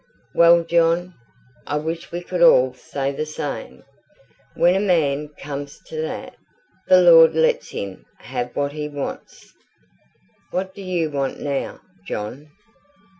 "Well, John, I wish we could all say the same. When a man comes to that, the Lord lets him have what he wants. What do you want now, John?"